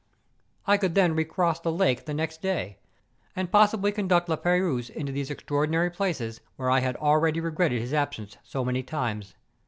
I could then recross the lake the next day, and possibly conduct La Peyrouse into these extraordinary places where I had already regretted his absence so many times.